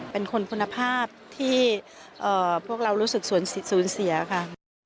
เป็นคนคุณภาพที่พวกเรารู้สึกสูญเสียค่ะ